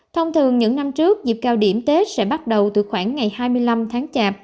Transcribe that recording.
thông thường những năm trước dịp cao điểm tết sẽ bắt đầu từ khoảng ngày hai mươi năm tháng chạp